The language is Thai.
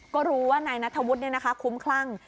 ก็รู้ว่านายนัทวุฒิเนี่ยนะคะคุ้มคลั่ง